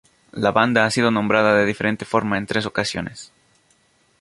La banda ha sido nombrada de diferente forma en tres ocasiones.